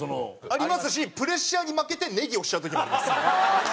ありますしプレッシャーに負けてネギ押しちゃう時もあります。